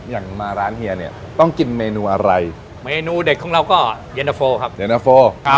อย่างมาร้านเฮียเนี้ยต้องกินเมนูอะไรเมนูเด็ดของเราก็เย็นเตอร์โฟลครับ